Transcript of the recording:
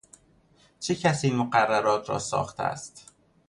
چه کسی این مقررات را ساخته است؟